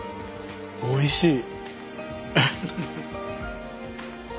おいしい。